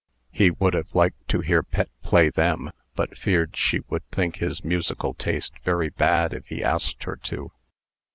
He would have liked to hear Pet play them, but feared she would think his musical taste very bad if he asked her to.